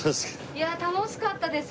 いや楽しかったですよ